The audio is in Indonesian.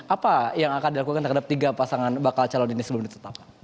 apa yang akan dilakukan terhadap tiga pasangan bakal calon ini sebelum ditetapkan